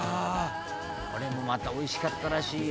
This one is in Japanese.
「これもまたおいしかったらしいよ」